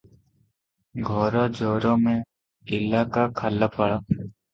ଘର ଜୋରମେ ଇଲାକା ଖାଲପାଳ ।